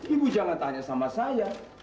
ibu jangan tanya sama saya